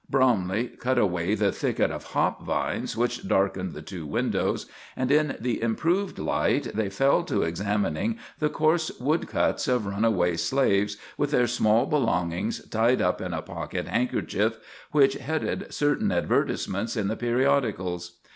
Bromley cut away the thicket of hop vines which darkened the two windows, and in the improved light they fell to examining the coarse woodcuts of runaway slaves with their small belongings tied up in a pocket handkerchief, which headed certain advertisements in the periodicals.